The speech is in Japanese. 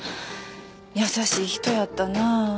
優しい人やったな。